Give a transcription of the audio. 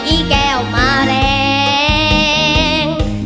อีแก้วมาแรง